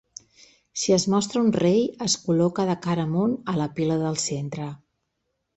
Si es mostra un rei, es col·loca de cara amunt a la pila del centre.